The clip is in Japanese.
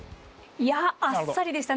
いやあっさりでしたね